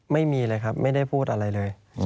ไม่มีเลยครับไม่ได้พูดอะไรเลย